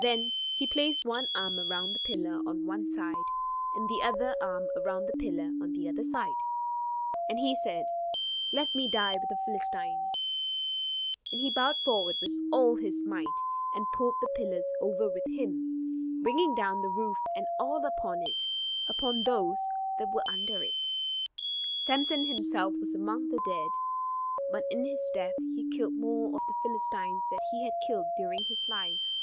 Then he placed one arm around the pillar on one side, and the other arm around the pillar on the other side; and he said: "Let me die with the Philistines." And he bowed forward with all his might, and pulled the pillars over with him, bringing down the roof and all upon it upon those that were under it. Samson himself was among the dead; but in his death he killed more of the Philistines than he had killed during his life.